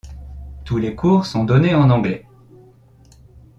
Tous les cours sont donnés en anglais.